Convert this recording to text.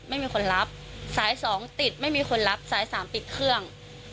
ไม่มีคนรับสายสองติดไม่มีคนรับสายสามปิดเครื่อง